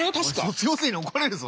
卒業生に怒られるぞ。